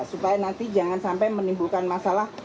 supaya nanti jangan sampai menimbulkan masalah